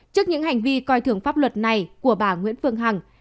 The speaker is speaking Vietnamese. trước những hành vi coi thường pháp luật này của bà nguyễn phương hằng